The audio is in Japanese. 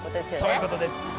そういうことです